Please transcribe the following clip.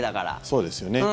そうですよね。